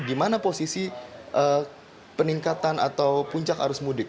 di mana posisi peningkatan atau puncak arus mudik